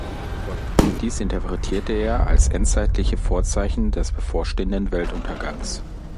Dies interpretierte er als endzeitliche Vorzeichen des bevorstehenden Weltuntergangs.